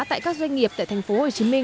tại các doanh nghiệp tại tp hcm